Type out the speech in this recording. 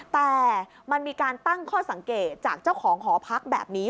แต่มันมีการตั้งข้อสังเกตจากเจ้าของหอพักแบบนี้